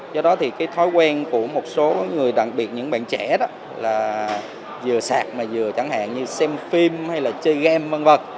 do đó thì cái thói quen của một số người đặc biệt những bạn trẻ đó là vừa sạc mà vừa chẳng hạn như xem phim hay là chơi game v v